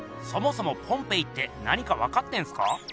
そもそもポンペイって何か分かってんすか？